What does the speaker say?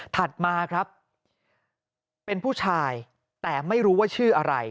ถัดมาครับเป็นผู้ชายแต่ไม่รู้ว่าชื่ออะไร